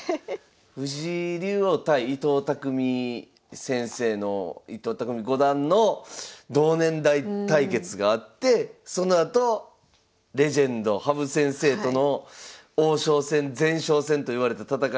藤井竜王対伊藤匠先生の伊藤匠五段の同年代対決があってそのあとレジェンド羽生先生との王将戦前哨戦といわれた戦いがあって。